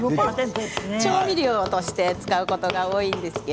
調味料として使うことが多いですね。